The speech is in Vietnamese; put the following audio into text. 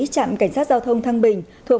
trạm cảnh sát giao thông thăng bình thuộc